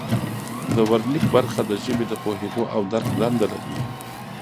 د ورنیک برخه د ژبې د پوهیدو او درک دنده لري